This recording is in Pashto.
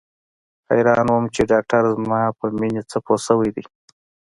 حيران وم چې ډاکتر زما په مينې څه پوه سوى دى.